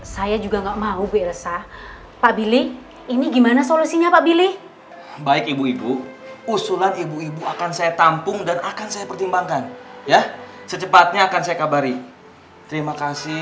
saya juga nggak mau resah pak billy ini gimana solusinya pak billy baik ibu ibu usulan ibu ibu akan saya tampung dan akan saya pertimbangkan ya secepatnya akan saya kabari terima kasih